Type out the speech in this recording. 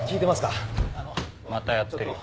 またやってるよ。